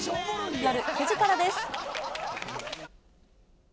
夜９時からです。